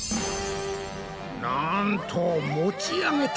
なんと持ち上げた！